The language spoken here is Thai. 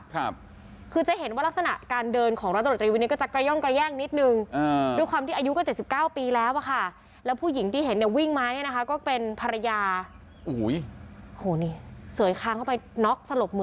เหมือนกับคุณตาเดินมาเดินมาตรงกลางตรงกลางซอยใช่ไหม